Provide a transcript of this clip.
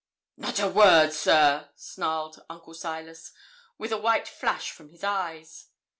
'Not a word, sir,' snarled Uncle Silas, with a white flash from his eyes.